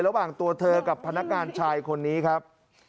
ระหว่างตัวเธอกับพนักงานชายคนนี้ครับ